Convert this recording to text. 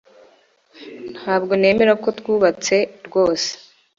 Ntabwo nemera ko twubatse rwose